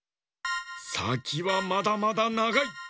さきはまだまだながい！